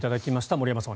森山さん